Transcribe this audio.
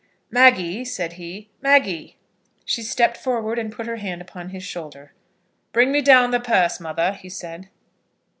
"Maggie," said he, "Maggie." She stepped forward, and put her hand upon his shoulder. "Bring me down the purse, mother," he said.